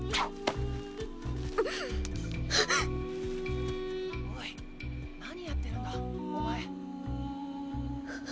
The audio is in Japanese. あっ⁉おい何やってるんだお前。